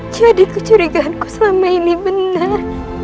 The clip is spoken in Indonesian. jadi kecurigaanku selama ini benar